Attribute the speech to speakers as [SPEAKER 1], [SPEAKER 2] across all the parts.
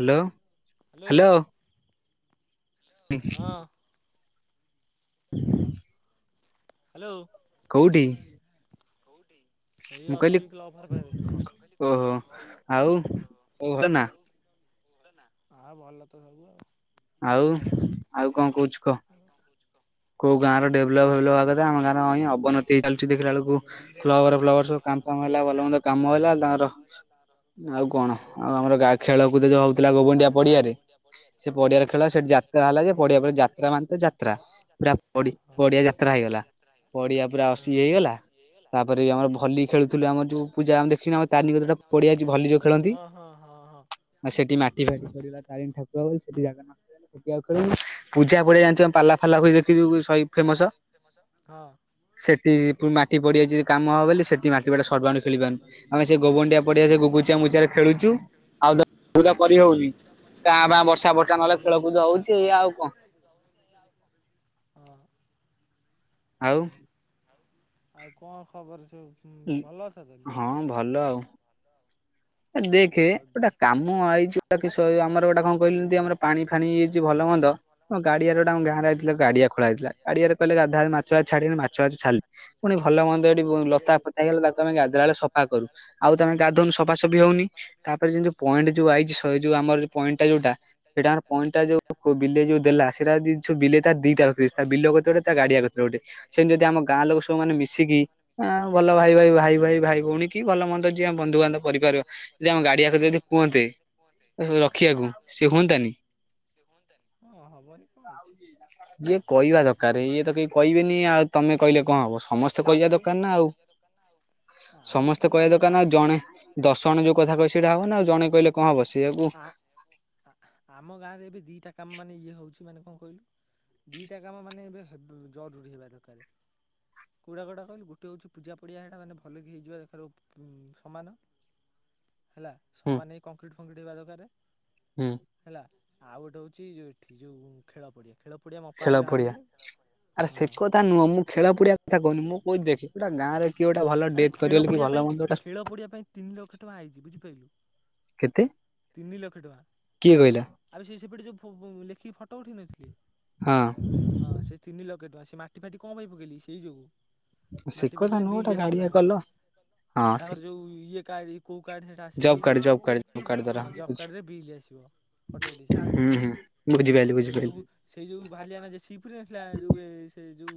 [SPEAKER 1] Hello
[SPEAKER 2] hello ହଁ
[SPEAKER 1] [inaudible] [inaudible]
[SPEAKER 2] hello
[SPEAKER 1] କେଉଁଠି
[SPEAKER 2] ଏ
[SPEAKER 1] କହିଲି
[SPEAKER 2] ଅଛି [unintelligible]
[SPEAKER 1] ଓହୋ ଆଉ ସବୁ ଭଲ ନା
[SPEAKER 2] ଆଉ ହଁ ଭଲ ତ ଭଲ
[SPEAKER 1] ଆଉ ଆଉ କଣ କହୁଛୁ କହ
[SPEAKER 2] [inaudible]
[SPEAKER 1] କୋ ଗାଁର ଡେଭଲପ ହେବ ଆମ ଗାଁର ଅବନତି ଚାଲଚଛି ଦେଖିଲା ବଳକୁ ଫ୍ର [unintelligible] ର ସବୁ କାମ ଫାମ ହେଲା ଭଲ ମନ୍ଦ କାମ ହେଲା ତାଙ୍କର ଆଉ କଣ ଆଉ ଆମର ଗାଁ ଖେଳକୁଦ ଯୋଉ ହଉଥିଲା ଗୋବୁଣ୍ଡିଆ ପଡିଆରେ ସେ ପଡିଆରେ ଖେଳ ସେଠି ଯାତ୍ରା ହେଲା ଯେ ପଡିଆ ପରେ୍ରା ଯାତ୍ରା ମାନେ ତ ଯାତ୍ରା ପୁରା ପଡିଆ ଯାତ୍ରା ହେଇଗଲା। ପଡିଆ ପୁରା ଅଶିଳା ହେଇଗଲା ତାପରେ ବି ଆମର ଭଲି ଖେଳୁଥିଲୁ ଆମର ଯୋଉ ପୂଜା ଆମେ ଦେଖିନ ତାରିଣୀ କତିରେ ଗୋଟେ ପଡିଆ ଅଛି ଭଲି ଯୋଉ ଖେଳନ୍ତି
[SPEAKER 2] ହଁ ହଁ ହଁ
[SPEAKER 1] ସେଠି ମାଟି ଫାଟି କରିବା ତାରିଣ ଠାକୁର ବୋଲି ସେଠି ଜାଗା ସେଠି ଆଉ ଖେଳୁ ପୂଜା ପଡଆ ପାଲା ଫାଲା ଦେଖିଛୁ ସ ଫେମସ
[SPEAKER 2] ହଁ
[SPEAKER 1] ସେଠି ପୁଣି ମାଟି ପଡିଆ ଯଦି କାମ ହବ ବ ସେଠି ମାଟି ବାଡା ସର୍ବାଣୁ ଖେଳିବାରୁି ଆମେ ସେ ଗୋବଣ୍ଡିଆ ପଡିଆ ସେ ମୁଚା ମୁଚାରେ ଖେଳୁଚୁ ଆଉ କରି ହଉନି କାଁଭା ବର୍ଷା ବର୍ଷା
[SPEAKER 2] ହଁ ହଁ
[SPEAKER 1] ନହେଲେ ଖେଳକୁଦ ହଉଛି ଏଇଆ ଆଉ କଣ
[SPEAKER 2] ହଁ
[SPEAKER 1] ଆଉ
[SPEAKER 2] ଆଉ କଣ ଖବର ସୁ ଭଲ ଅଛ ତାହଲେ
[SPEAKER 1] ହଁ ଭଲ ଆଉ ଦେଖେ
[SPEAKER 2] ଆଉ
[SPEAKER 1] ଗୋଟା
[SPEAKER 2] ହଁ
[SPEAKER 1] କାମ ମୁଁ ଆଇଛି ଗଟା କି ଆମର ଗୋଟେ କଣ କହିଲି ଆମର ପାଣି ଫାଣି ହେଇଯାଇଛି ଭଲ ମନ୍ଦ ଗାଡିଆର ତାଙ୍କ ଗାଁ ରେ ଗାଡିଆ ଖୋଳା ହେଇଥିଲା ଗଡିଆରେ କିଲ ଗାଧା ମାଛାଯାକ ଛାଡ଼ିବା ବୋଲି ମାଛ ଯାକ ଛାଡ଼ିଲୁ ପୁଣି ଭଲ ମନ୍ଦ ଏଠି ଲତା ଫତା ହେଗଲା ତାକୁ ଆମେ ଗାଧେଇଲ ବେଳେ ସଫା କରୁ ଆଉ ତମେ ଗାଧନୁ ସଫା ହଉନି ତାପରେଉ ପଏଣ୍ଟ ଯୋଉ ଆଇଛି ଯୋଉ ଆମର ପଏଣ୍ଟା ଯୋଉଟା ସେ ଟାଇମରେ ପଏଣ୍ଟଟା ଯୋଉ ବିଲେଇ ଯୋଉ ଦେଲା ସେଇଟା ଯଦି ସବୁ ବିଲେ ତା ଦିଟା [unintelligible] ତା ବିଲ କତିରେ ଗୋଟେ ତା ଗାଡିଆ ଆଗରେ ଗୋଟେ ସେମିତି ଯଦି ଆମ ଗାଁ ଲୋକ ସବୁମାନେ ମିଶିକି ହଁ ଭଲ ଭାଇ ଭାଇ ଭାଇ ଭାଇ ଭାଇ ଭଉଣୀ କି ଭଲ ମନ୍ଦ ଯିିଏ ଆମ ବନ୍ଧୁବାନ୍ଧବ କରିପାରିବା ଯଦି ଆମ ଗାଡିଆକୁ ଯଦି କୁହନ୍ତେ ରଖିବାକୁ ସେ ହୁଅନ୍ତାନି।
[SPEAKER 2] ହ ହଁ ହବନି କଣ ଅଛି।
[SPEAKER 1] ଇଏ କହିବା ଦରକାର ଇଏ ତ କେହି କହିବେନି ଆଉ ତମେ କହିଲେ କଣ ହବ ସମସ୍ତେ କହିବା ଦରକାର ନା ଆଉ।
[SPEAKER 2] ଆମର
[SPEAKER 1] ସମସ୍ତେ
[SPEAKER 2] ଖାଲି ଆମ
[SPEAKER 1] କହିବା ଦରକାର ନା
[SPEAKER 2] ଗାଁରେ
[SPEAKER 1] ଆଉ ଜଣେ। ଦଶ ଜଣ ଯୋଉ କଥା କହିବେ ସେଇଟା ହବ ନା ଆଉ ଜଣେ କହିଲେ କଣ ହବ। ସେଇଆକୁ
[SPEAKER 2] ଆ ଆମ ଗାଁରେ ଏବେ ଦିଟା କାମ ମାନେ ଇଏ ହଉଛି ମାନେ କଣ କହିଲୁ ଦିଟା କାମ ମାନେ ଏବେ ଆ ଦୁ ଜରୁରୀ ହେବା ଦରକାର। କୋଉଟା କୋଉଟା କହିଲୁ ଗୋଟେ ହେଉଛି ପୂଜା ପଡ଼ିଆ ସେଇଟା ମାନେ ଭଲକି ହେଇଯିବା ଦରକାର ଓପ ଉଁ ସମାନ।
[SPEAKER 1] [unintelligible]
[SPEAKER 2] ହେଲା
[SPEAKER 1] ହୁଁ
[SPEAKER 2] ସମାନ ହେଇ କଂକ୍ରିଟ ଫକ୍ରିଟ୍ ହେବା ଦରକାର।
[SPEAKER 1] ହୁଁ।
[SPEAKER 2] ହେଲା ଆଉ ଗୋଟେ ହଉଛି ଯୋଉ ଏଠି ଯୋଉ ଖେଳ ପଡିଆ ଖେଳ ପଡିଆ ମପା
[SPEAKER 1] ଖେଳ
[SPEAKER 2] ହେଇ
[SPEAKER 1] ପଡିଆ
[SPEAKER 2] ବାହାରିଗଲେ
[SPEAKER 1] ଆରେ
[SPEAKER 2] ହଁ
[SPEAKER 1] ସେ କଥା ନୁହଁ ମୁଁ ଖେଳ ପଡିଆ କଥା କହୁନି ମୁଁ କହୁ ଦେଖ ପୁରା ଗାଁରେ କିଏ ଗୋଟେ ଭଲ
[SPEAKER 2] ଆରେ
[SPEAKER 1] ଡେଥ୍
[SPEAKER 2] ଖେଳ
[SPEAKER 1] କରିଗଲେ କି
[SPEAKER 2] ପଡିିଆ
[SPEAKER 1] ଭଲ
[SPEAKER 2] ପାଇଁ
[SPEAKER 1] ମନ୍ଦ ଗୋଟା
[SPEAKER 2] ଖେଳ ପଡିିଆ ପାଇଁ ତିନି ଲକ୍ଷ ଟଙ୍କା ଆଇଛି ବୁଝିପାରିଲୁ।
[SPEAKER 1] କେତେ କିଏ କହିଲା?
[SPEAKER 2] ଆରେ ସେ ସେପଟେ ଯୋଉ ଫୋ ଲେଖିକି ଫଟୋ ଉଠେଇ ନଥିଲେ
[SPEAKER 1] ହଁ।
[SPEAKER 2] ହଁ ସେ ତିନି ଲକ୍ଷ ଟଙ୍କା ସେ ମାଟି ଫାଟି କଣ ପାଇଁ ପକେଇଲେକି ସେଇ ଯୋଗୁ।
[SPEAKER 1] ସେ
[SPEAKER 2] ମାଟି
[SPEAKER 1] କଥା
[SPEAKER 2] ପକେଇଲେ
[SPEAKER 1] ନୁହଁ
[SPEAKER 2] ବିଲ୍
[SPEAKER 1] ଗୋଟା
[SPEAKER 2] ଆସିବ
[SPEAKER 1] ଗାଡିଆ
[SPEAKER 2] ତାଙ୍କର
[SPEAKER 1] କଲ
[SPEAKER 2] ତାଙ୍କର
[SPEAKER 1] ହଁ
[SPEAKER 2] ଯୋଉ ଇଏ କା ଏ କେଉଁ କାର୍ଡ଼ରେ ହେଟା ଆସିବ
[SPEAKER 1] job
[SPEAKER 2] bill?
[SPEAKER 1] Card job card job card ଧର
[SPEAKER 2] ହଁ ଜବ୍
[SPEAKER 1] ହୁଁ
[SPEAKER 2] କାର୍ଡ଼ରେ ବିଲ୍ ଆସିବ। ଫଟୋ ଉଠେଇ ଛାଡ଼ିଲେ
[SPEAKER 1] ହୁଁ ବୁଝିପାରିଲି
[SPEAKER 2] ସେଇ
[SPEAKER 1] ବୁଝିପାରିଲି।
[SPEAKER 2] ଯୋଗୁ ସେଇ ଯୋଗୁ ଭଳିଆନା ଯେ ସି ପି ପୁରେଇନଥିଲା ଯୋଉ ସେ ଯୋଉ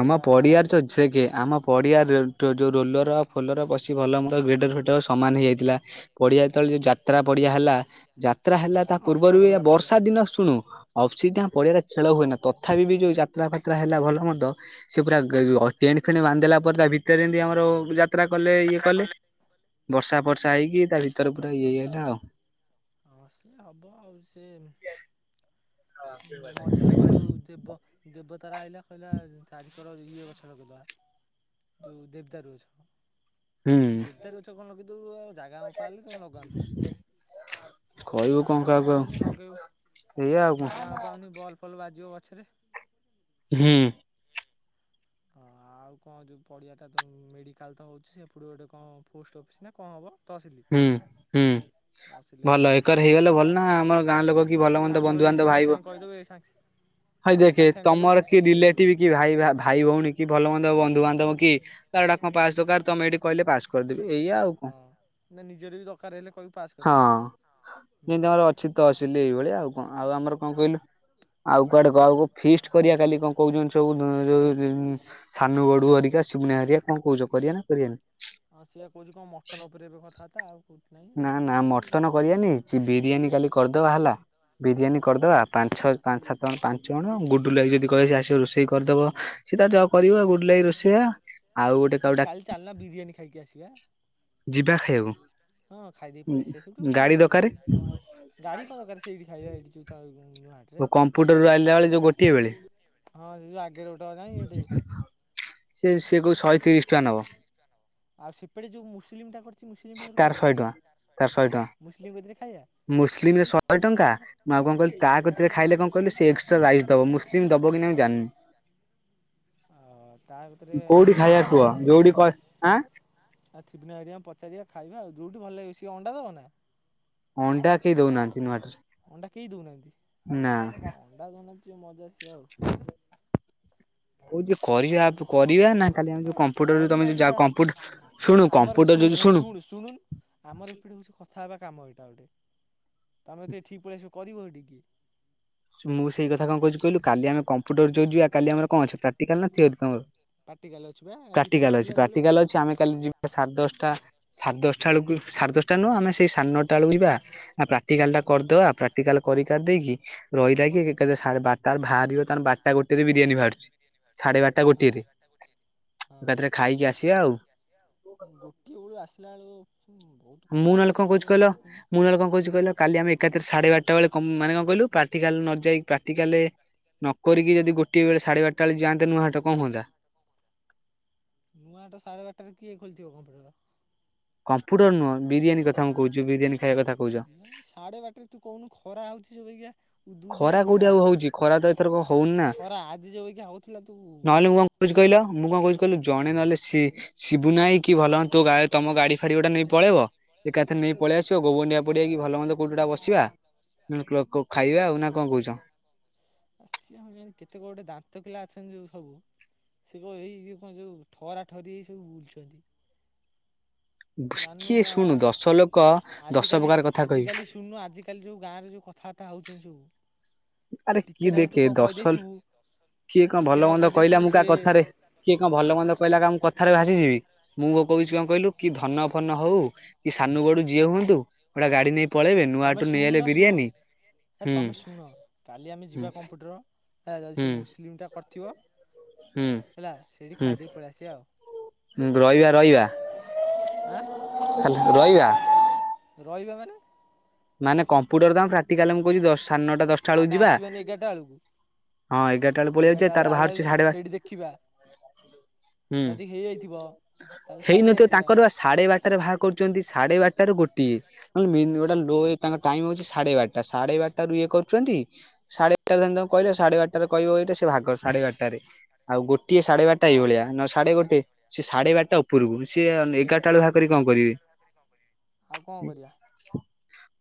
[SPEAKER 1] ଆମ
[SPEAKER 2] ଆ
[SPEAKER 1] ପଡିଆର ଚଛ କେ ଆମ ପଡ଼ିଆ ର ଟ୍ ଯେଉଁ ରୋଲର ଫୋଲର ପଶି ଭଲମନ୍ଦ ଗ୍ରେଟର ଫେଟର ସମାନ ହେଇଯାଇଥିଲା। ପଡିଆ ଯେତେବେଳେ ଯୋଉ ଯାତ୍ରା ପଡିଆ ହେଲା ଯାତ୍ରା ହେଲା ତା
[SPEAKER 2] ନଷ୍ଟ
[SPEAKER 1] ପୂର୍ବରୁ ବି
[SPEAKER 2] କରିଦେଲା ପଡ଼ିଆ
[SPEAKER 1] ବର୍ଷା ଦିନ ଶୁଣୁ ଅଫସିଟ ଆମ ପଡିଆରେ ଖେଳ ହୁଏନା। ତଥାପି ବି ଯୋଉ ଯାତ୍ରା ଫାତ୍ରା ହେଲା ଭଲ ମନ୍ଦ ସେ ପୁରା ଗ ଯୋଉ ଟେଣ୍ଟ ଫେଣ୍ ବାନ୍ଧି ଦେଲାପରେ ତା ଭିତରେ ଏମତି ଆମର ଯାତ୍ରା କଲେ ଇଏ କଲେ ବର୍ଷା ଫର୍ଷା ହେଇକି ତା ଭିତରେ ପୁରା ଇଏ ହେଇଗଲା ଆଉ।
[SPEAKER 2] ହସଲେ ହବ ଆଉ ସେ ନ୍ ମଝିରେ କଣ ଯୋଉ ଦେବ ଦେବ ତାରା ଆଇ। ଲା କହିଲା ଚାରିଖର ଇଏ ଗଛ ଲଗେଇଦବା ଯୋଉ ଦେବଦାରୁୁ ଗଛ।
[SPEAKER 1] ହୁଁ
[SPEAKER 2] ଦେବଦାରୁ ଗଛ କଣ କିନ୍ତୁ ଯାଗା ଜାଗା ମପାହେଲେ ତାକୁ ଲଗାନ୍ତୁ।
[SPEAKER 1] କହିବୁ କଣ
[SPEAKER 2] ଜାଗା
[SPEAKER 1] କାହାକୁ ଆଉ
[SPEAKER 2] ମପାହୋଉନି ଲଗେଇବୁ
[SPEAKER 1] ଏଇଆ ଆଉ କଣ
[SPEAKER 2] ଜାଗା ମପାହୋଉନି ବଲ୍ ଫଲ ବାଜିବ ଗଛରେ।
[SPEAKER 1] ହୁଁ।
[SPEAKER 2] ହଁ ଆଉ କଣ ଯଉ ପଡ଼ିଆଟା ତ ମେଡିକାଲ ତ ହୋଉଛି ସେପଟକୁ ଗୋଟେ କଣ ପୋଷ୍ଟ ଅଫିସ୍ ନା କଣ ହବ।
[SPEAKER 1] ହୁଁ ହୁଁ
[SPEAKER 2] ତହସିଲି ହେବ
[SPEAKER 1] ଭଲ ଏକର
[SPEAKER 2] କହିଛନ୍ତି
[SPEAKER 1] ହେଇଗଲେ
[SPEAKER 2] ଦେଖିବା
[SPEAKER 1] ଭଲ ନା ଆମର ଗାଁ ଲୋକ କି ଭଲ ମନ୍ଦ
[SPEAKER 2] ଆମର
[SPEAKER 1] ବନ୍ଧୁ
[SPEAKER 2] ଏଇଠି
[SPEAKER 1] ବାନ୍ଧବ
[SPEAKER 2] ସାଙ୍ଗେ
[SPEAKER 1] ଭାଇ ବି
[SPEAKER 2] ସାଙ୍ଗେ କହିଦେବେ ସାଙ୍ଗେ
[SPEAKER 1] ଭାଇ
[SPEAKER 2] ଆମର
[SPEAKER 1] ଦେଖ
[SPEAKER 2] ସାଙ୍ଗେ ସାଙ୍ଗେ କହିଦେବେ
[SPEAKER 1] ତମର
[SPEAKER 2] ସାଙ୍ଗେ
[SPEAKER 1] କିଏ
[SPEAKER 2] ସାଙ୍ଗେ ଇଏ ହେଇଯିବ
[SPEAKER 1] ରିଲେଟିଭ କି ଭାଇ ଭାଇ ଭଉଣୀ କି ଭଲମନ୍ଦ ବନ୍ଧୁବାନ୍ଧବ କି କାହାର ରଟା କଣ ପାସ୍ ଦରକାର ତମେ ଏଇଠି କହିଲେ ପାସ୍ କରିଦେବି ଏଇଆ ଆଉ। କଣ
[SPEAKER 2] ହଁ ନା ନିଜର ବି ଦରକାର ହେଲେ କହିବି ପାସ୍ କରିଦେବେ ଏଇଠି ହୁଁ।
[SPEAKER 1] ଶୀତ ଆସିଲି ଏଇଭଳି ଆଉ କଣ ଆଉ ଆମର କଣ କହିଲୁ? ଆଉ କୁଆଡେ କକୁ ଫିଷ୍ଟ କରିବା କାଲି କଣ କହୁଛ ସବୁ ଯଉ। ସାନ ଗଡୁ ହରିକା ସିମୁନଆ ହରିକା କଣ କହୁଛ କର ନା କରାନି
[SPEAKER 2] ହଁ ସିଆ କହୁଛି କଣ ମଟନ ଉପରେ ଏବେ କଥାତା ଆଉ। ନାହିଁ
[SPEAKER 1] ନା
[SPEAKER 2] ଆଉ
[SPEAKER 1] ନା ମଟନ କର ନେଇି ବିରିୟାନୀ କାଲି କରିଦବା ହେଲା ବିରିୟାନୀ କରିଦବା। ପାଞ୍ଚ ଛ ପାଞ୍ଚ ସାତଣ ପାଞ୍ଚ ଜଣ ଗୁଡ଼ୁ ଲଗି ଯଦି କହେ ଆସିବେ ରୋଷେଇ କରିଦେବ। ସି ତା ଜ କରିବ ଗୁଡ ଭାଇ ରୋଷେଇଆ। ଆଉ ଗୋଟେ କାହାକୁ
[SPEAKER 2] ଉଁ
[SPEAKER 1] ଡାକି
[SPEAKER 2] କାଲି ଚାଲନା ବିରିୟାନୀ ଖାଇକି ଆସିବା।
[SPEAKER 1] ଯିବା ଖାଇବାକୁ
[SPEAKER 2] ହଁ ଖାଇଦେଇ ପଳେଇଆସିଵା ସେଠୁ କଣ
[SPEAKER 1] ଗାଡି
[SPEAKER 2] ଅଛି
[SPEAKER 1] ଦରକାରେ
[SPEAKER 2] ସେଥିରେ। ଗାଡି କଣ ଦରକାର ସେଇଠି ଖାଇବା ଏଇଠି ଯଉ ତା।
[SPEAKER 1] ଓ କମ୍ପୁଟର ରୁ ଆଇଲାବେଳେ ଯୋଉ ଗୋଟିଏବେଳେ।
[SPEAKER 2] ହଁ ଯ ଆଗରେ ଗୋଟେ। ନାହିଁ ଗୋଟେ
[SPEAKER 1] ସେ ସେ କହୁଚି ଶହେ ତିରିଶ ଟଙ୍କା ନବ।
[SPEAKER 2] ଆଉ ସେପଟେ ଯୋଉ ମୁସଲିମ ଟା କରିଛି ମୁସଲିମ ପାଖରୁ
[SPEAKER 1] ତାର ଶହେ ଟଙ୍କା।
[SPEAKER 2] ଖାଇବା
[SPEAKER 1] ତାର ଶହେ ଟଙ୍କା
[SPEAKER 2] ମୁସଲିମ କତିରେ ଖାଇବା?
[SPEAKER 1] ମୁସଲିମରେ ଶହେ ଟଙ୍କା। ମାଉ କଣ କହିଲ ତା କରେ ଖାଇଲେ କଣ କହିଲୁ ସେ ଏକ୍ଟ୍ରା ରାଇସ୍ ଦବ ମୁସଲିମ ଦବ କି ନାହି ମୁଁ ଜାଣିନି।
[SPEAKER 2] ଓ ତା କତିରେ ହଁ
[SPEAKER 1] କୋଉଠି
[SPEAKER 2] ତିରିଶ
[SPEAKER 1] ଖାଇବା
[SPEAKER 2] ଟଙ୍କା
[SPEAKER 1] କୁହ
[SPEAKER 2] ନଉ।
[SPEAKER 1] ଯୋଉଠି କହ ଆଁ
[SPEAKER 2] ଆଉ ଥିବନା ଘରିକାଙ୍କୁ ପଚାରିବା ଖାଇବା ଆ ଯଉଠି ଭଲ ଲାଗିବ ସେ ଅଣ୍ଡା ଦବ ନା?
[SPEAKER 1] ଅଣ୍ଡା କେହି ଦଉନାହାନ୍ତି ନୂଆଟା।
[SPEAKER 2] ଅଣ୍ଡା କେହି ଦଉନାହାଁନ୍ତି ଆ ଅଣ୍ଡା ଦଉନାହାଛି ମଜା କି ଆଉ।
[SPEAKER 1] ହଉ ଯଯେ କରିଆପ କରିବା ନା କାଲି ଆମେ
[SPEAKER 2] ଏ
[SPEAKER 1] ଯଉ କମ୍ପୁଟର ତମେ
[SPEAKER 2] କରିବା
[SPEAKER 1] ଯଉ ଯା
[SPEAKER 2] ସେଇଟା
[SPEAKER 1] କମ୍ପୁଟର ଶୁଣୁ
[SPEAKER 2] ଆମର
[SPEAKER 1] କମ୍ପୁଟର ଯଉ
[SPEAKER 2] ଏଇ
[SPEAKER 1] ଶୁଣୁ
[SPEAKER 2] ଶୁଣୁନୁ ଆମର ଏପଟେ ହେଉଛି କଥା ହେବା କାମ ଏଇଟା ଗୋଟେ ତମେତ ଏଠିକ ପଳେଇ ଆସିବ କରିବ ହେଠି କିଏ?
[SPEAKER 1] ମୁଁ ସେଇ କଥା କଣ କହୁଛି କହିଲୁ କାଲିଆମେ କମ୍ପ୍ୟୁଟର ଯଉ ଯିବା କାଲି ଆମର କଣ ଅ ପ୍ରାକ୍ଟଟିକାଲ ନା ଥିଓରି ତମର?
[SPEAKER 2] ପାଟିକାଲି ଅଛି ବା ଆଜି
[SPEAKER 1] ପ୍ରାଟିକାଲ
[SPEAKER 2] ଥିଓରି
[SPEAKER 1] ଅଛି
[SPEAKER 2] ଥିଲା ଗଲୁନି
[SPEAKER 1] ପ୍ରାଟିକାଲ ଅଛି ଆମେ କାଲି ଜି ସାଢ଼େ ଦଶଟା ସାଢ଼େ ଦଶଟା ବେଳକୁ ସାଢେ ଦଶଟା ନୁହୁଁ ଆମେ ସେଇ ସାଢେ ନଅଟା ବେଳକୁ ଯିବା। ନା ପ୍ରାକ୍ଟିକାଲ ଟା
[SPEAKER 2] ହଁ।
[SPEAKER 1] କରିଦବା ପ୍ରାକ୍ଟିକାଲ କରି କାରି ଦେଇକି ରହିଲା ରାହିକି ଏକାଥରେ ସାଢେ ବାରଟାରେ ବାହାରିବ ତାମାନେ ବାରଟା ଗୋଟେରେ ବିରିୟାନୀ ବାହାରୁଛି ସାଢେବାର ଟା
[SPEAKER 2] ହଁ
[SPEAKER 1] ଗୋଟିଏରେ
[SPEAKER 2] ହଁ
[SPEAKER 1] ଏକାଥରେ ଖାଇକି ଆସିବା ଆଉ।
[SPEAKER 2] ଗୋଟିଏ ବେଳୁ ଆସିଲା ବେଳକୁ ବହୁତ?
[SPEAKER 1] ମୁଁ
[SPEAKER 2] ଖରା
[SPEAKER 1] ନହେଲେ
[SPEAKER 2] ହେଉଛି
[SPEAKER 1] କଣ
[SPEAKER 2] ଯେଉଁ
[SPEAKER 1] କହୁଛି
[SPEAKER 2] ଭଳିଆ
[SPEAKER 1] କହିଲ
[SPEAKER 2] ଦେଖୁନ।
[SPEAKER 1] ମୁଁ ନାହେଲେ କଣ କହୁଛି କହିଲ? କାଲି ଆମେ ଏକାଥରେ ସାଢେ ବାରଟାବେଳେ ମାନେକଣ କହିଲୁ ପ୍ରାକ୍ଟିକାଲ ନ ଯାଇକି ପ୍ରାକ୍ଟିକାଲେ? ନକରିକି ଯଦି ଗୋଟିଏବେଳେ ସାଢେ ବାରଟା ବେଳେ ଯାଆନ୍ତେ ନୁଆହାଟ କଣ ହୁଅନ୍ତା?
[SPEAKER 2] ନୂଆହାଟା ସାଢେ ବାରଟାରେ କିଏ ଖୋଲିଥିବ କମ୍ପ୍ୟୁଟର।
[SPEAKER 1] କମ୍ପୁଟର ନୁହଁ ବିରିୟାନୀ କଥା ମୁଁ କହୁଛି ବିରିୟାନୀ ଖାଇବା କଥା କହୁଛ।
[SPEAKER 2] ଉଁ ସାଢେ ବାରଟାରେ ତୁ କହୁନୁ ଖରା ହଉଛି ସେବାଗିଆ। ଉଡୁ ଉଦିଆ
[SPEAKER 1] କୋଉଠି
[SPEAKER 2] ଖରା
[SPEAKER 1] ଆଉ ହଉଛି ଖରା ତ ଏଥରକ ହଉନି ନା
[SPEAKER 2] ଖରା ଆଜି ଯୋଉଏଇକା ହଉଥିଲା ତୁ?
[SPEAKER 1] ନହେଲେ ମୁଁ କଣ କହୁଛି କହିଲ ମୁଁ କଣ କହୁଛି କହିଲ ଜଣେ ନହେଲେ ସି? ଶିବୁ ନାଇଁ କି ଭଲ ତୁ ତମ ଗାଡି ଫାଡି ଗୋଟା ନେଇକି ପଳେଇବ। ଏକାଥରେ ନେଇକି ପଳେଇ ଆସିବ ଗୋଗଣ୍ଡିଆ ପଡିଆକି ଭଲ ମନ୍ଦ କୋଉଠି ଗୋଟା ବସିବା କ କ ଖାଇବା ଆଉ। ନା କଣ କହୁଛ?
[SPEAKER 2] ଆ କେତେ ଗୋଟେ ଦାନ୍ତ କେଲା ଅଛନ୍ତି ଯୋଉ ସବୁ ସେ କଣ ଏଇ କି କଣ ଯଉ ଠରା ଠରି ହେଇ ସବୁ ବୁଲୁଛନ୍ତି। ଜାନୁ
[SPEAKER 1] କିଏ
[SPEAKER 2] ଆ
[SPEAKER 1] ଶୁଣୁ ଦଶ ଲୋକ ଦଶ
[SPEAKER 2] ଆଜିିକାଲି
[SPEAKER 1] ପ୍ରକାର କଥା କହିବେ।
[SPEAKER 2] ଆଜିକାଲି ଶୁଣୁନୁ ଆଜିକାଲି ଯଉ ଗାଁରେ ଯଉ କଥାବାର୍ତ୍ତା ହଉଛନ୍ତି ସବୁ
[SPEAKER 1] ଆରେ
[SPEAKER 2] ଟିକେ
[SPEAKER 1] କିଏ
[SPEAKER 2] ନାକୁ ତୁ
[SPEAKER 1] ଦେଖେ
[SPEAKER 2] କଣ
[SPEAKER 1] ଦଶଲ
[SPEAKER 2] କହିଦେଇଥିବୁ
[SPEAKER 1] କିଏ କଣ
[SPEAKER 2] ଟିକେ
[SPEAKER 1] ଭଲ
[SPEAKER 2] ନାକୁ
[SPEAKER 1] ମନ୍ଦ କହିଲା
[SPEAKER 2] କହିଦେଇଥିବୁ
[SPEAKER 1] ମୁଁ କା
[SPEAKER 2] ସିଏ
[SPEAKER 1] କଥାରେ କିଏ କଣ ଭଲ ମନ୍ଦ କହିଲା କା ମୁଁ କଥାରେ ଭାସିଯିବି। ମୁଁ କଣ କହୁଛି କଣ କହିଲୁ କି ଧନ ଫନ ହଉ କି ସାନୁ ଗଡୁ ଜିଏ ହୁଅନ୍ତୁ ଗୋଟା ଗାଡି ନେଇ ପଳେଇବେ ନୂଆହାଟ
[SPEAKER 2] ତମେ
[SPEAKER 1] ରୁ
[SPEAKER 2] ଶୁଣୁ
[SPEAKER 1] ନେଇଆଇଲେ
[SPEAKER 2] ନା ଶୁଣ
[SPEAKER 1] ବିରିୟାନୀ
[SPEAKER 2] ହେ
[SPEAKER 1] ହୁଁ
[SPEAKER 2] ତମେ ଶୁଣ କାଲି ଆମେ
[SPEAKER 1] ହୁଁ
[SPEAKER 2] ଯିବା କମ୍ପ୍ୟୁଟର ଯଦି
[SPEAKER 1] ହୁଁ
[SPEAKER 2] ସେ ମୁସଲିମଟା କରିଥିବ
[SPEAKER 1] ହୁଁ
[SPEAKER 2] ହେଲା ସେଇଠି
[SPEAKER 1] ହୁଁ
[SPEAKER 2] ଖାଇଦେଇ ପଳେଇଆସିଵା ଆଉ।
[SPEAKER 1] ରହିବା ରହିବା
[SPEAKER 2] ଆଁ
[SPEAKER 1] ହେଲା ରହିବା।
[SPEAKER 2] ରହିବା ମାନେ?
[SPEAKER 1] ମାନେ କମ୍ପୁଟରତ ଆମେ ପ୍ରାକ୍ଟିକାଲ ମୁଁ କହୁଚି ଦଶ ସାଢେନଅଟା ଦଶ
[SPEAKER 2] ଆମେ ଆସିବାନି ଏଗାରଟା ଏଳକୁ
[SPEAKER 1] ହଁ ଏଗାରଟା ବେଳକୁ ପଳେଇ ଯାଉଛେ
[SPEAKER 2] ଏଗାରଟା
[SPEAKER 1] ତାର
[SPEAKER 2] ବେଳୁ
[SPEAKER 1] ବାହାରୁଛି ସାଢେ
[SPEAKER 2] ଆଇଲାବେଳୁ
[SPEAKER 1] ବାର
[SPEAKER 2] ସେଇଠି ଦେଖିବା।
[SPEAKER 1] ହୁଁ
[SPEAKER 2] ଯଦି ହେଇଯାଇଥିବ ତାହେଲେ ଖାଇଦେଇ ଆସିବା।
[SPEAKER 1] ସାଢ଼େ ବାରଟାରେ ବାହା କରୁଛନ୍ତି ସାଢେ ବାରଟାରୁ ଗୋଟିଏ ଲୋ ତାଙ୍କ ଟାଇମ ହଉଛି ସାଢେ ବାରଟା ସାଢେ ବାରଟାରୁ ଇଏ କରୁଛନ୍ତି ସାଢେ ଏାରଟା ତା କହିଲେ ସାଢୋରଟାରେ କହିବ ଏଇଟ ସେ ଭଗ ସାଢେବାରଟାରେ? ଆଉ ଗୋଟିଏ ସାଢେ ବାରଟା ଏଇ ଭଳିଆ ନ ସାଢେ ଗୋଟେ। ସେ ସାଢେ ବାରଟା ଉପରକୁ ସିଏ ଏଗାରଟା ବେଳକୁ ବାହାକରିକି କଣ କରିବେ।
[SPEAKER 2] ଆଉ କଣ କରିବା?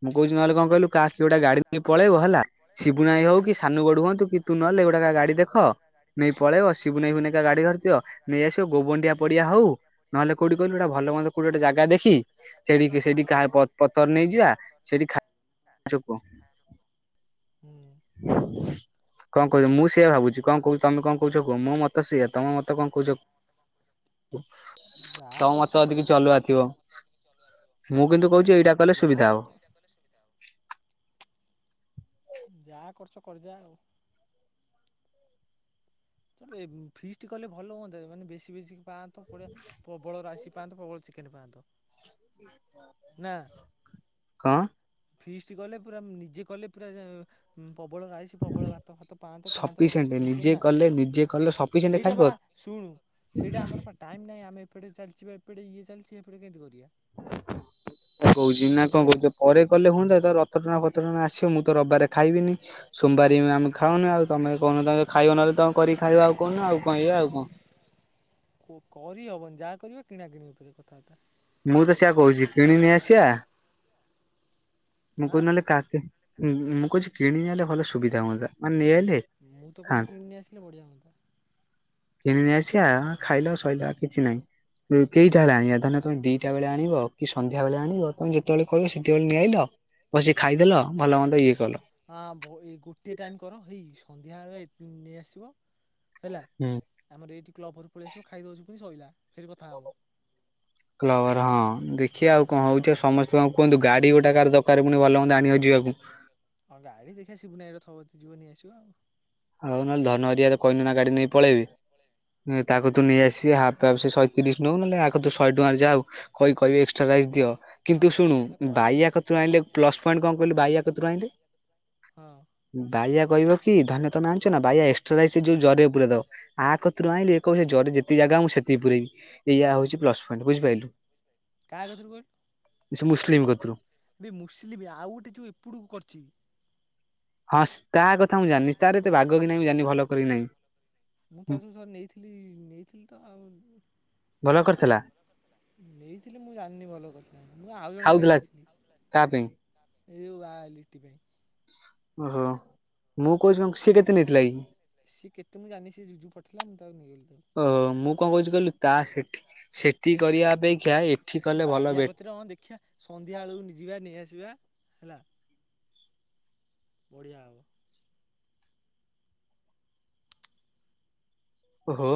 [SPEAKER 1] ମୁଁ କହୁଛିି ନହେଲେ କଣ କହିଲୁ କାହାକ ଗୋଟ ଗାଡି ନେଇ ପଳେଇବ ହେଲା। ଶିବୁଣାଇଁ ହଉ କି ସାନୁ ଗଡ ହୁଅନ୍ତୁ କି ତୁ ନହେଲେ ଗୁଟାକ ଗାଡି ଦେଖ ନେଇ ପଳେଇବ ସିବୁ ନେଇବୁ ନକା ଗାଡି ଘରିଥିବ ନେଇ ଆସିବ ଗୋବଣ୍ଡିଆ ପଡିଆ ହଉ ନହେଲେ କୋଉଠି କହିଲୁ ଏଟା ଭଲ ମନ୍ଦ କୋଉଠି ଗୋଟେ ଜାଗା ଦେଖି ସେଠିକି ସେଠି କାହା ପତର ନେଇଯିବା ସେଠି ଖାୋ
[SPEAKER 2] ହୁଁ।
[SPEAKER 1] [inaudible] କଣ କହୁଛ ମୁଁ ସେଇଆ ଭାବୁଛି କଣ କହୁଛ ତମେ କଣ କହୁଛ ମୋ ମତ ସିଇଆ ତମ ମତ କଣ କହୁଛ
[SPEAKER 2] ଯାହା
[SPEAKER 1] ତମ
[SPEAKER 2] କରୁଛ
[SPEAKER 1] ମତଜଦି
[SPEAKER 2] କର
[SPEAKER 1] କିଛି ଅଲଗା ଥିବ। ମୁଁ କିନ୍ତୁ କହୁଛି ଏଇଟା କଲେ
[SPEAKER 2] ଯାହା
[SPEAKER 1] ସୁବିଧା ହବ।
[SPEAKER 2] ଯାହା କରୁଚ କରିଯା ଆଉ। ଏ ଫିଷ୍ଟ କଲେ ଭଲ ହୁଅନ୍ତା ଜେ ମାନେ ବେଶୀ ବେଶୀ ପାଆନ୍ତ ପଡିଆ ପ୍ରବଳ ରାସି ପାଆନ୍ତ ପ୍ରବଳ ଚିକେନ ପାଆନ୍ତ ନା?
[SPEAKER 1] କଣ?
[SPEAKER 2] ଫ୍ରିସ୍ଟି କଲେ ପୁରା ନିଜେ କଲେ ପୁରା ପବଳ ରାଇସି ପବଳ ଭାତ ଭାତ ପାଆନ୍ତ ଖାଆନ୍ତ
[SPEAKER 1] ସଫିସିଏଣ୍ଟ
[SPEAKER 2] ଚିକେନ
[SPEAKER 1] ନିଜେ
[SPEAKER 2] ଫିକେନ୍ ନା।
[SPEAKER 1] କଲେ ନିଜେ କଲେ ସବ
[SPEAKER 2] ସେଇଟା ବା ଶୁଣୁ ସେଇଟା ଆମର ପା ଟାଇମ୍ ନାହିଁ ଆମେ ଏପଟେ ଚାଲିଛି ବା ଏପଟେ ଇଏ ଚାଲିଛି ହେପଟେ କେମତି କରିବା
[SPEAKER 1] କହୁଛି ନା କଣ
[SPEAKER 2] ବୁଝିପାରିଲୁ
[SPEAKER 1] କରୁଚ? ପରେ କଲେ ହୁଅନ୍ତା ଏ ତ ରଥଟଣା ଫଥଟଣା ଆସିବ ମୁଁ ତ ରବିବାରେ ଖାଇବିନି। ସୋମ୍ବାରୀ ଆମେ ଖାଉନୁ ଆଉ ତମେମାନେ କହୁନୁ ତମେ ଖାଇବ ନହଲେ ତମେ କରିକି ଖାଇବା ଆଉ କହୁନୁ ଆଉ କଣ ଏଇଆ ଆଉ କଣ।
[SPEAKER 2] କରିହବନି ଯାହା କରିବା କିଣା କିିଣି ଭିତରେ କଥାବାର୍ତ୍ତା।
[SPEAKER 1] ମୁଁ ତ ସେଆ କହୁଛି କିଣିନେଇ ଆସିବା ମୁଁ
[SPEAKER 2] ଆଁ
[SPEAKER 1] କହୁଚି ନହେଲେ କା ମୁଁ କହୁଛି କିଣିନେଲେ ଭଲ ସୁବିଧା ହୁଅନ୍ତା ମାନେଇଆଇଲେ
[SPEAKER 2] ମୁଁ ତ କହୁଛି କିଣିକି ନେଇ ଆସିଲେ ବଢିଆ ହଅନ୍ତା।
[SPEAKER 1] କିଣି ନେଇ ଆସିବା ହଁ ଖାଇଲା ଶଇଲା କିଛି ନାଇଁ। ଏ କେଇଟା ହେଲାଣି? ଏ ଧନିଅ ତୋମେ ଦିଟା ବେଳେ ଆଣିବ କି ସନ୍ଧ୍ୟା ବେଳେ ଆଣିବ ତୋମେ ଯେତେବେଳେ କହିବ ସେତେବେଳେ ନିଆଇଲ। ବସି ଖାଇଦେଲ ଭଲ ମନ୍ଦ ଇଏ କଲ।
[SPEAKER 2] ହଁ ଭୋ ଏ ଗୋଟିଏ ଟାଇମ୍ କର ହେଇ ସନ୍ଧ୍ୟାବେଳେ ନେଇଆସିବ। ହେଲା,
[SPEAKER 1] ହୁଁ।
[SPEAKER 2] ଆମର ଏଇଠି କ୍ଲବ୍ ଘରକୁ ପଳେଇ ଆସିବ ଖାଇଦଉଛୁ, ପୁଣି ସଇଲା ସେଇଠି କଥା ହବ।
[SPEAKER 1] କ୍ଲବ୍ ଘର ହଁ ଦେଖିଆ ଆଉ କଣ ହଉଛି ଏ ସମସ୍ତେ କଣ କୁହନ୍ତୁ ଗାଡି
[SPEAKER 2] ଦେଖିଆ
[SPEAKER 1] ଗୋଟା କାର ଦ କାରେ ପୁଣି ଭଲ ମନ୍ଦ ଆଣିବାକୁ ଯିବାକୁ।
[SPEAKER 2] ହଁ ଗାଡି ଦେଖିଆ ସିପିନୁ ଭାଇ ର ଥବ ତି ଯିବୁ ନେଇ ଆସିବ ଆଉ।
[SPEAKER 1] ହଉ ନହେଲେ ଧନ ହେରିଆରେ କହିମି ନା ଗାଡି ନେଇ ପଳେଇବି। ନେ- ତାକୁ
[SPEAKER 2] ହଁ
[SPEAKER 1] ତୁ ନେଇ ଆସିବି ହା ତାର ସେ ଶଏ ତିରିଶ ନଉ ନନେ ଆ କତୁ ଶଏ ଟଙ୍କା ଯାଉ, କହି କହି ଏକ୍ସଟ୍ରାା ରାଇସ୍ ଦିଅ। କିନ୍ତୁ ଶୁଣୁ
[SPEAKER 2] ନା କହିବା ଆଉ
[SPEAKER 1] ବାଇୟା କତୁ ଆଣିଲେ ପ୍ଲସ୍ ପଏଣ୍ଟ କଣ କହିଲୁ ବାଇୟା କତରୁ ଆଣିଲେ?
[SPEAKER 2] ହଁ।
[SPEAKER 1] ବାଇୟା କହିବ କି ଧାନ ତୋମେ ଆଣିଛ ନା ବାଇୟା ଏକ୍ସଟ୍ରା ରାଇସି ଯୋଉ ଜରିରଃ ପୁରେଇ ଦବ। ଆ କତରୁ ଆଣିଲେ କହିବ ହେ ଜରି ଯେତିକି ଜାଗା ମୁଁ ସେତିକି ପୁରେଇବି। ଏଇଆା ହଉଛି ପ୍ଲସ୍ ପଏଣ୍ଟ ବୁଝିପାଇଲୁ?
[SPEAKER 2] କା କତିରୁ କହିଲୁ?
[SPEAKER 1] ଯେ ସେ ମୁସଲିମ କତିରୁ।
[SPEAKER 2] ବେ ମୁସିଲିମି ଆଉ ଗୋଟେ ଯୋଉ ଏପଟକୁ କରିଛି।
[SPEAKER 1] ହଁ ତା କଥା ମୁଁ ଜାଣିନି, ତାର ଏତେ ବାଗ କି ନାହିଁ ମୁଁ ଜାଣିନି ଭଲ କରେକି ନାହିଁ।
[SPEAKER 2] ମୁଁ ତା ଠାରୁ ଥରେ ନେଇଥିଲି ନେଇଥିଲି ତ ଆଉ
[SPEAKER 1] ଭଲ କରିଥିଲା?
[SPEAKER 2] ନେଇଥିଲି ମୁଁ ଜାଣିନି ଭଲ କଥା, ମୁଁ ଆଉ ଜଣଙ୍କ ପାଇଁ
[SPEAKER 1] ଖାଉଥିଲା
[SPEAKER 2] ନେଇଥିଲି।
[SPEAKER 1] ତା ପାଇଁ
[SPEAKER 2] ଏଇ ଆ ଲିଟି ପାଇଁ।
[SPEAKER 1] ଓହୋ, ମୁଁ କହୁଛି ହଁ ସିଏ କେତେ ନେଇଥିଲା କି?
[SPEAKER 2] ସିଏ କେତେ ମୁଁ ଜାଣିନି ସେ ଜିଜୁ ପଠେଇଲା ମୁଁ ତାକୁ ନେଇଗଲି [inaudible]
[SPEAKER 1] ଓହୋ, ମୁଁ କଣ କହୁଛି କହିଲୁ ତା ସେଠି ସେଠି କରିବା ଅପେକ୍ଷା ଏ
[SPEAKER 2] ବାଇୟା କତିର ହଁ ଦେଖିଆ। ସନ୍ଧ୍ୟା ବେଳକୁ ନି-ଯିବା ନେଇଆସିବା ହେଲା ବଢିଆ ହବ।
[SPEAKER 1] ଓହୋ!